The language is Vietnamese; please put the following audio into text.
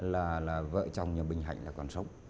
là vợ chồng nhà bình hạnh là còn sống